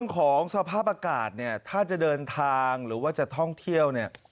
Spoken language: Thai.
ของสภาพอากาศเนี่ยถ้าจะเดินทางหรือว่าจะท่องเที่ยวเนี่ย